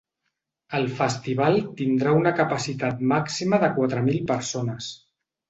El festival tindrà una capacitat màxima de quatre mil persones.